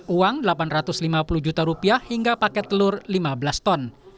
uang delapan ratus lima puluh juta rupiah hingga paket telur lima belas ton